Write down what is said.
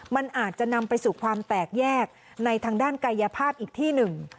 มันอาจจะนำไปสู่ความแตกแยกในทางด้านกายภาพอีกที่หนึ่ง